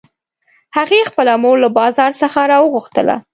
هغې خپله مور له بازار څخه راوغوښتله